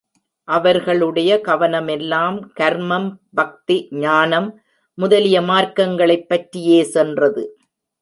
அவர்களுடைய கவனமெல்லாம் கர்மம், பக்தி, ஞானம் முதலிய மார்க்கங்களைப் பற்றியே சென்றது.